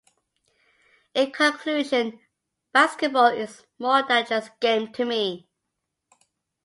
In conclusion, basketball is more than just a game to me.